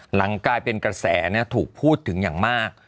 หลังกลายเป็นกระแสถูกพูดถึงอย่างมาก